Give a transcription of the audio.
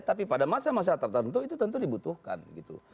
tapi pada masa masa tertentu itu tentu dibutuhkan gitu